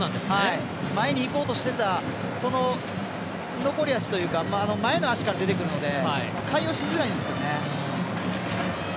前にいこうとしてたその残り足というか前の足から出てくるので対応しづらいんですよね。